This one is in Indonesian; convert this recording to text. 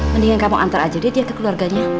mendingan kamu antar aja deh dia ke keluarganya